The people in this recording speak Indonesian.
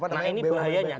nah ini bahayanya